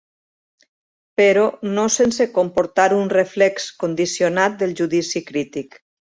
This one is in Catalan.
Però no sense comportar un reflex condicionat del judici crític.